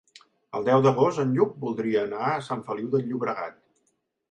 El deu d'agost en Lluc voldria anar a Sant Feliu de Llobregat.